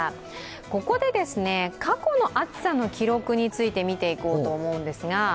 ここで過去の暑さの記録について見ていこうと思うんですが。